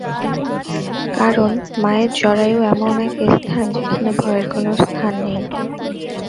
কারণ মায়ের জরায়ু এমন এক স্থান, যেখানে ভয়ের কোনো স্থান নেই।